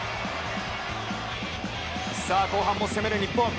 後半も攻める日本。